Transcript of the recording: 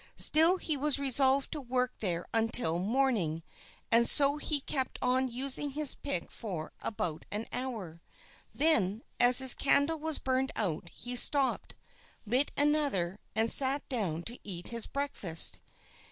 Still he was resolved to work there until morning and so he kept on using his pick for about an hour. Then, as his candle was burned out, he stopped, lit another, and sat down to eat his breakfast.